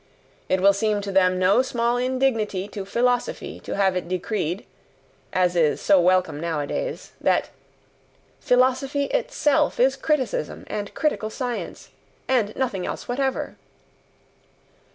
It will seem to them no small indignity to philosophy to have it decreed, as is so welcome nowadays, that "philosophy itself is criticism and critical science and nothing else whatever!"